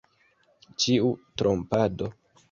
Ĉiu trompado!